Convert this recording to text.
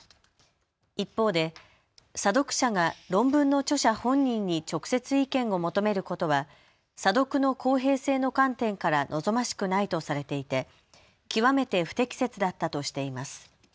一方で査読者が論文の著者本人に直接、意見を求めることは査読の公平性の観点から望ましくないとされていて極めて不適切だったとしています。